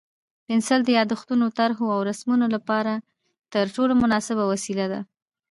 پنسل د یادښتونو، طرحو او رسمونو لپاره تر ټولو مناسبه وسیله ده.